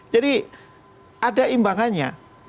jadi ada imbangannya